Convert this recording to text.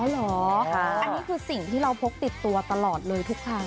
อันนี้คือสิ่งที่เราพกติดตัวตลอดเลยทุกครั้ง